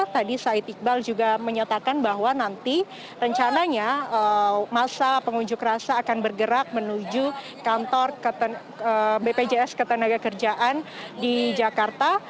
tadi said iqbal juga menyatakan bahwa nanti rencananya masa pengunjuk rasa akan bergerak menuju kantor bpjs ketenaga kerjaan di jakarta